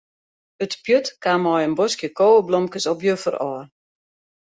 It pjut kaam mei in boskje koweblomkes op juffer ôf.